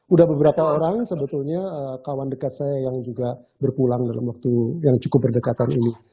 udah beberapa orang sebetulnya kawan dekat saya yang juga berpulang dalam waktu yang cukup berdekatan ini